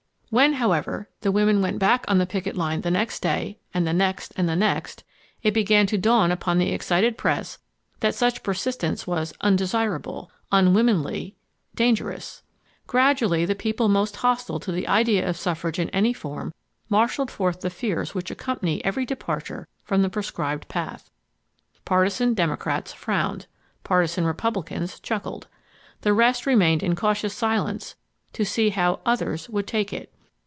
When, however, the women went back on the picket line the next day and the next and the next, it began to dawn upon the excited press that such persistence was "undesirable" ... "unwomanly" …"dangerous." Gradually the people most hostile to the idea of suffrage in any form marshaled forth the fears which accompany every departure from the prescribed path. Partisan Democrats frowned. Partisan Republicans chuckled. The rest remained in cautious silence to see how "others" would take it.